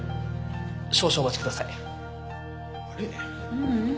ううん。